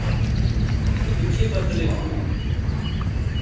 - Tu bi kêfa dilê xwe yî…